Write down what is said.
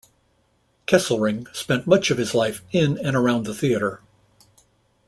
Kesselring spent much of his life in and around the theater.